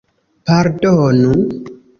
Pardonu!